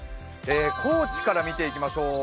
高知から見ていきましょう。